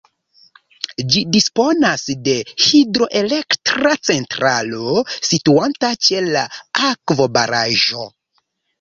Ĝi disponas de hidroelektra centralo situanta ĉe la akvobaraĵo.